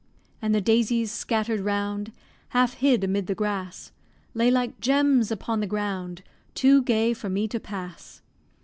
And the daisies scatter'd round, Half hid amid the grass, Lay like gems upon the ground, Too gay for me to pass.